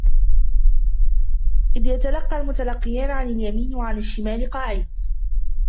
إِذْ يَتَلَقَّى الْمُتَلَقِّيَانِ عَنِ الْيَمِينِ وَعَنِ الشِّمَالِ قَعِيدٌ